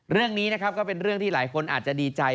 เรื่องนี้นะครับก็เป็นเรื่องที่หลายคนอาจจะดีใจ